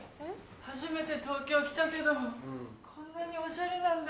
初めて東京来たけどこんなにオシャレなんだ。